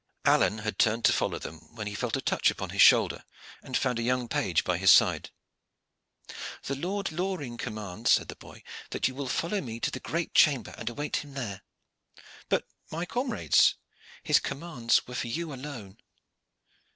Alleyne had turned to follow them, when he felt a touch upon his shoulder, and found a young page by his side. "The Lord Loring commands," said the boy, "that you will follow me to the great chamber, and await him there." "But my comrades?" "His commands were for you alone."